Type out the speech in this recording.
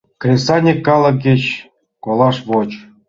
Кресаньык калык кеч колаш воч.